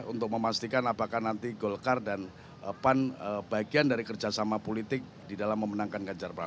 untuk memastikan apakah nanti golkar dan pan bagian dari kerjasama politik di dalam memenangkan ganjar pranowo